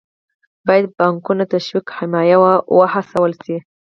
باید پانګونه تشویق، حمایه او وهڅول شي.